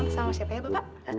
sama siapa ya bapak